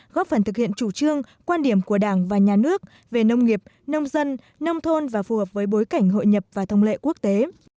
góp phần thực hiện chủ trương quan điểm của đảng và nhà nước về nông nghiệp nông dân nông thôn và phù hợp với bối cảnh hội nhập và thông lệ quốc tế